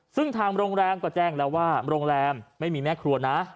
ซึ่งทางโรงแรมก็แจ้งแล้วว่าโรงแรมไม่มีแม่ครัวนะ